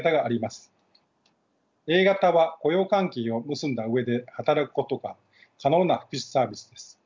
Ａ型は雇用関係を結んだ上で働くことが可能な福祉サービスです。